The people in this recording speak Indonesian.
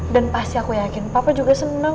dan pasti aku yakin papa juga seneng